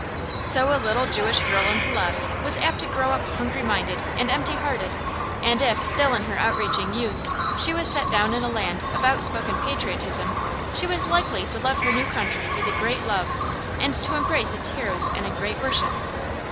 So a little Jewish girl in Polotzk was apt to grow up hungry minded and empty hearted; and if, still in her outreaching youth, she was set down in a land of outspoken patriotism, she was likely to love her new country with a great love, and to embrace its heroes in a great worship.